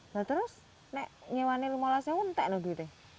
lalu terus nyewahnya mau laksanakan apa nanti